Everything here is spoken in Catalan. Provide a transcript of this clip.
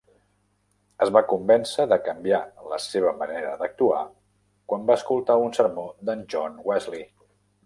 Es va convèncer de canviar la seva manera d'actuar quan va escoltar un sermó d'en John Wesley.